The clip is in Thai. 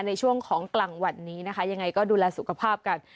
ในช่วงของกลางวันนี้นะคะยังไงก็ดูแลสุขภาพกัน